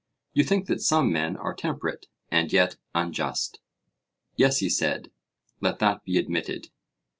You think that some men are temperate, and yet unjust? Yes, he said; let that be admitted.